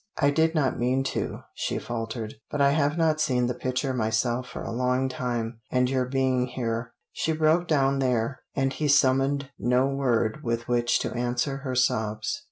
"I did not mean to," she faltered. "But I have not seen the picture myself for a long time, and your being here " She broke down there, and he summoned no word with which to answer her sobs.